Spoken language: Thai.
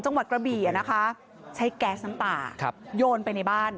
จังหวัดกระบี่อะนะคะใช้แก๊สน้ำตาครับโยนไปในบ้าน